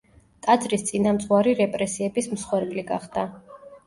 ტაძრის წინამძღვარი რეპრესიების მსხვერპლი გახდა.